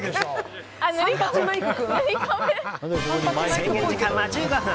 制限時間は１５分。